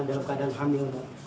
dalam keadaan hamil